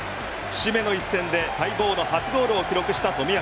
節目の一戦で待望の初ゴールを記録した冨安。